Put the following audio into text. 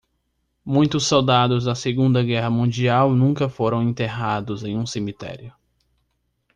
Muitos soldados da segunda guerra mundial nunca foram enterrados em um cemitério.